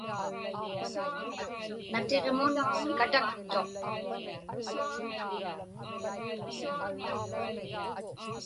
Natiġmun kataktuq.